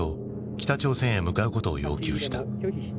北朝鮮へ向かうことを要求した。